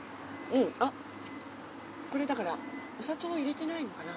あっこれだからお砂糖を入れてないのかな